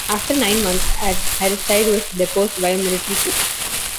After nine months, Aristide was deposed by a military coup.